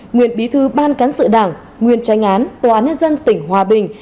nguyên bí thư ban cán sự đảng nguyên tránh án tòa án nhân dân tỉnh hòa bình